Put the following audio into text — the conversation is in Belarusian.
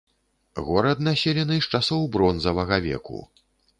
Горад населены з часоў бронзавага веку.